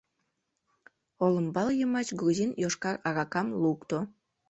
Олымбал йымач грузин йошкар аракам лукто.